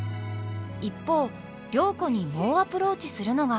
一方良子に猛アプローチするのが。